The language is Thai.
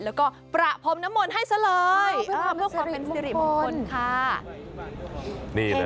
แล้วก็ประพรหมณมลให้เสลยอ้าวเป็นความเป็นสินทรีย์บางคนค่ะนี่เลย